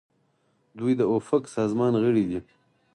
دوی د اوپک سازمان غړي دي.